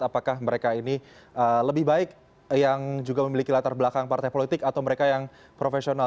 apakah mereka ini lebih baik yang juga memiliki latar belakang partai politik atau mereka yang profesional